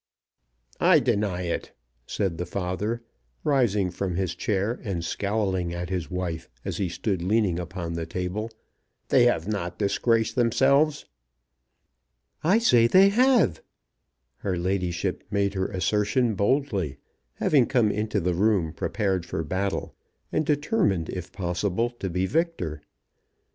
"I deny it," said the father, rising from his chair, and scowling at his wife as he stood leaning upon the table. "They have not disgraced themselves." "I say they have." Her ladyship made her assertion boldly, having come into the room prepared for battle, and determined if possible to be victor.